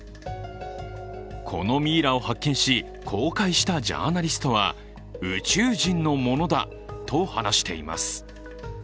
このミイラを発見し、公開したジャーナリストは宇宙人のものだと話しています。